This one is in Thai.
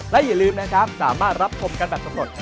และอย่าลืมนะครับสามารถรับชมกันแบบสำรวจ